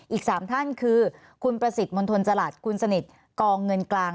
อีก๓ท่านคือคุณประสิทธิ์มณฑลจรัสคุณสนิทกองเงินกลาง